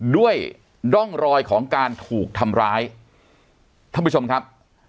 ด้วยร่องรอยของการถูกทำร้ายท่านผู้ชมครับ